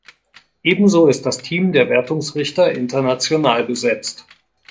Ebenso ist das Team der Wertungsrichter international besetzt.